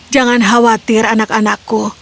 jangan khawatir anak anakku